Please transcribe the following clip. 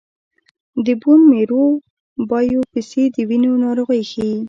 د بون میرو بایوپسي د وینې ناروغۍ ښيي.